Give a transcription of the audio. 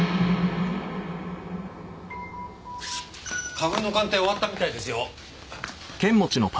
花粉の鑑定終わったみたいですよ。